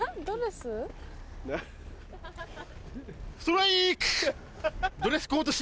ストライク！